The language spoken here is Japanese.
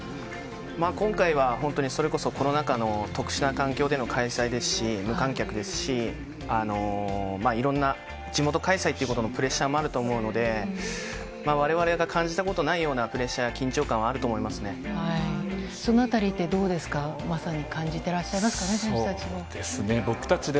今回は本当にそれこそコロナ禍の特殊な環境での開催ですし、無観客ですし、いろんな地元開催ということのプレッシャーもあると思うので、われわれが感じたことのないようなプレッシャーや緊張感はあるとそのあたりってどうですか、まさに感じてらっしゃいますかね、選手たちも。